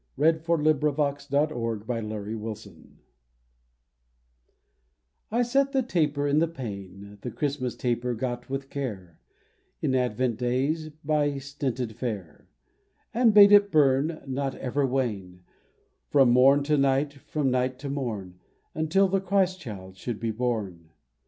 Cbe Christmas Catt&le I SET the taper in the pane, The Christmas taper got with care (In Advent days by stinted fare), And bade it burn, nor ever wane, From morn to night, from night to morn, Until the Christ Child should be born